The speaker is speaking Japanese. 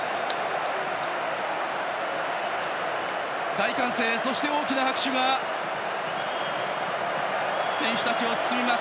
大歓声、そして大きな拍手が選手たちを包みます。